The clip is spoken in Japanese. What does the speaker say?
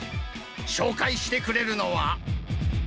紹介してくれるのは。